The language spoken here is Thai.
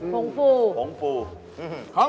ผงฟูผงฟูอื้อฮือ